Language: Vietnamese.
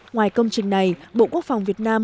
ngoài công trình này bộ quốc phòng việt nam